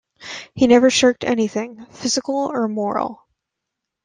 He never shirked anything, physical or moral.